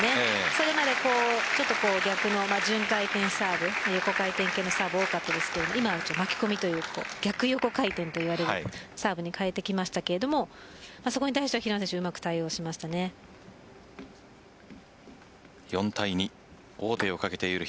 それまで取った逆の順回転サーブという横回転サーブが多かったですけど今は巻き込みという逆横回転というサーブに変えてきましたけどそこに対しては平野選手４対２王手をかけている。